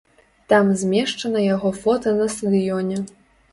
Там змешчана яго фота на стадыёне.